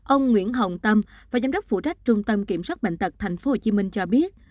ông nguyễn hồng tâm phó giám đốc phụ trách trung tâm kiểm soát bệnh tật thành phố hồ chí minh cho biết